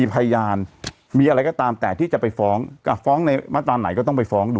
นั่งอยู่นั่งนั่งอย่างเนี้ย